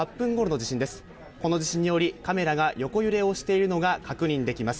地震により、カメラが横揺れをしているのが確認できます。